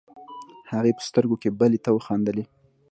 هغې په سترګو کې بلې ته وخندلې.